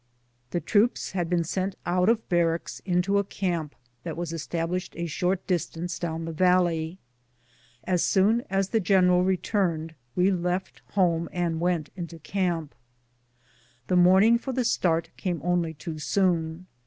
The troops had been sent out of barracks into a camp that was established a short dis tance down the valley. As soon as the general returned we left home and went into camp. The morning for the start came only too soon.